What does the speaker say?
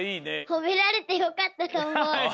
ほめられてよかったとおもう。